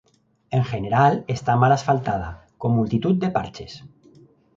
En general está mal asfaltada, con multitud de parches.